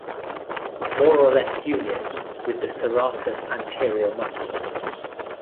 More or less union with the serratus anterior muscle.